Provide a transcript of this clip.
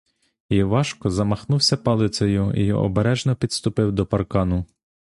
Івашко замахнувся палицею й обережно підступив до паркану.